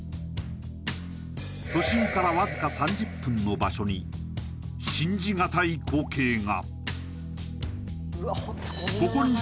都心から僅か３０分の場所に信じがたい光景が。